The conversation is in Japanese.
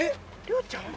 涼ちゃん？